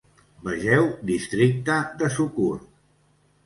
Vegeu Districte de Sukkur.